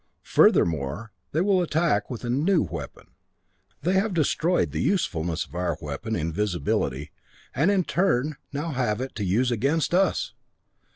Furthermore, they will attack with a new weapon. They have destroyed the usefulness of our weapon, invisibility, and in turn, now have it to use against us!